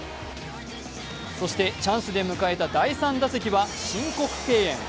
そして、チャンスで迎えた第３打席は申告敬遠。